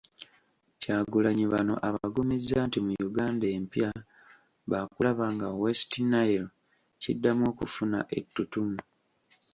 Kyagulanyi bano abagumizza nti mu Uganda empya, baakulaba nga West Nile kiddamu okufuna ettutumu .